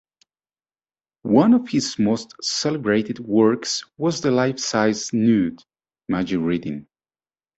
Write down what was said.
One of his most celebrated works was the life-size nude, "Maggie Reading".